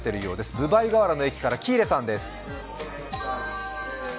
分倍河原の駅から喜入さんです。